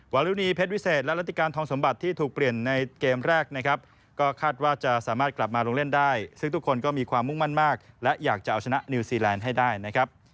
วารุณีเพชรวิเศษและรัติการทองสมบัติที่ถูกเปลี่ยนในเกมแรกนะครับก็คาดว่าจะสามารถกลับมาลงเล่นได้ซึ่งทุกคนก็มีความมุ่งมั่นมากและอยากจะเอาชนะนิวซีแลนด์ให้ได้นะครับ